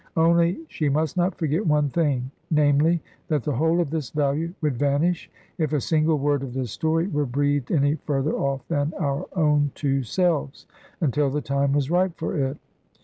Only she must not forget one thing, namely, that the whole of this value would vanish, if a single word of this story were breathed any further off than our own two selves, until the time was ripe for it.